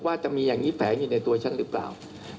ว่าจะมีอย่างนี้แฝงอยู่ในตัวฉันหรือเปล่า